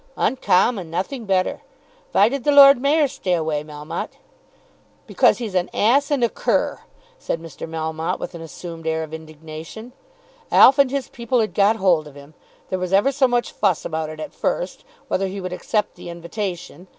"Uncommon; nothing better. Vy did the Lord Mayor stay away, Melmotte?" "Because he's an ass and a cur," said Mr. Melmotte with an assumed air of indignation. "Alf and his people had got hold of him. There was ever so much fuss about it at first, whether he would accept the invitation.